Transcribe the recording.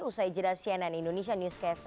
usai jeda cnn indonesia newscast